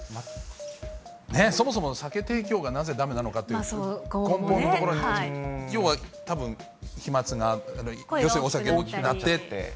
そもそも酒提供がなぜだめなのかという根本のところに、要は、たぶん、飛まつが、要するにお酒で声が大きくなってって。